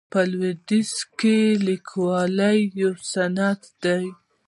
په لویدیځ کې لیکوالي یو صنعت دی.